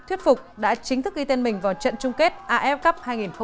thuyết phục đã chính thức ghi tên mình vào trận chung kết af cup hai nghìn một mươi tám